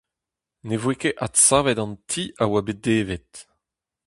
Ne voe ket adsavet an ti a oa bet devet.